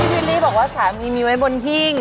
วิลลี่บอกว่าสามีมีไว้บนหิ้ง